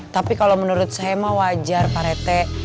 tapi kalau menurut saya mah wajar pak rete